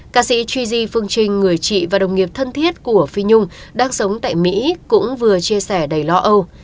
ca sĩ chuji phương trinh người chị và đồng nghiệp thân thiết của phi nhung đang sống tại mỹ cũng vừa chia sẻ đầy lo âu